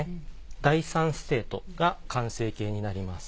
第３ステートが完成形になります。